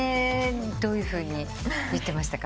どういうふうに言ってましたか？